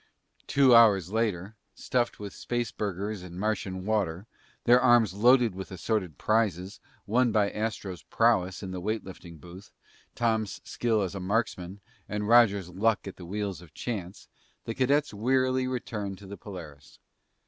Two hours later, stuffed with spaceburgers and Martian water, their arms loaded with assorted prizes, won by Astro's prowess in the weight lifting booth, Tom's skill as a marksman, and Roger's luck at the wheels of chance, the cadets wearily returned to the Polaris.